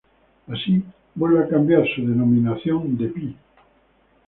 Así vuelve a cambiar su denominación de Pl.